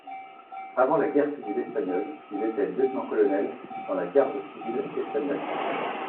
Avant la guerre civile espagnole il était lieutenant-colonel dans la Garde civile espagnole.